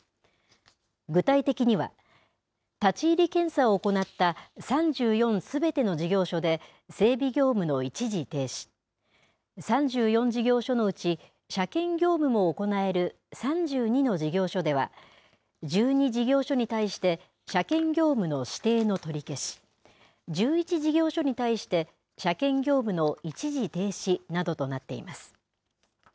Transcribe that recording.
具体的には、立ち入り検査を行った３４すべての事業所で、整備業務の一時停止、３４事業所のうち、車検業務も行える３２の事業所では、１２事業所に対して車検業務の指定の取り消し、１１事業所に対して車検業務の一時停止などとなっています。